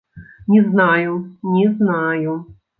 Не знаю, не знаю.